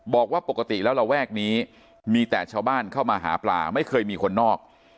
บอกว่าปกติแล้วระแวกนี้มีแต่ชาวบ้านเข้ามาหาปลาไม่เคยมีคนนอก